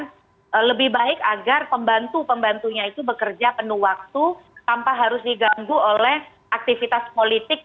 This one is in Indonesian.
yang lebih baik agar pembantu pembantunya itu bekerja penuh waktu tanpa harus diganggu oleh aktivitas politik